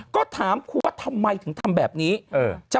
ก็ถามครูว่าทำไมถึงทำแบบนี้